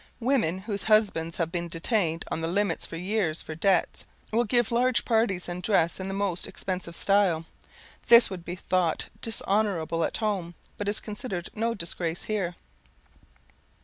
Women whose husbands have been detained on the limits for years for debt, will give large parties and dress in the most expensive style. This would be thought dishonourable at home, but is considered no disgrace here.